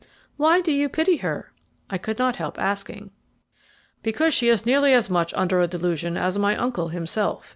"Why do you pity her?" I could not help asking. "Because she is nearly as much under a delusion as my uncle himself.